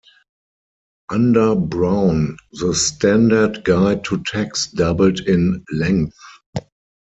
Under Brown the standard guide to tax doubled in length.